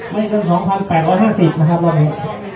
ไม่กันสองพันแปลงรอบห้าสิบนะครับรอบนี้